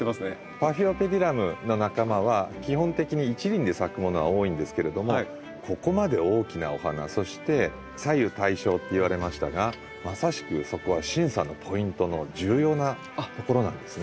パフィオペディラムの仲間は基本的に一輪で咲くものが多いんですけれどもここまで大きなお花そして左右対称って言われましたがまさしくそこは審査のポイントの重要なところなんですね。